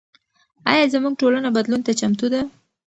ایا زموږ ټولنه بدلون ته چمتو ده؟